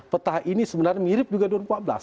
peta ini sebenarnya mirip juga dua ribu empat belas